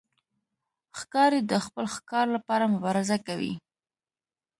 ښکاري د خپل ښکار لپاره مبارزه کوي.